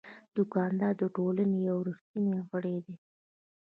دوکاندار د ټولنې یو ریښتینی غړی دی.